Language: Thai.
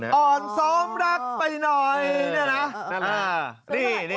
อ่อนซ้อมดักไปหน่อยนี่นี่น่ะ